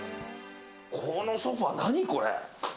このソファ、何これ？